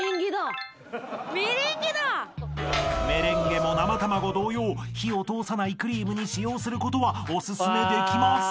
［メレンゲも生卵同様火を通さないクリームに使用することはおすすめできません］